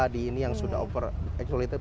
di ini yang sudah over exploited